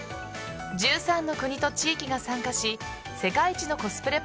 １３の国と地域が参加し世界一のコスプレ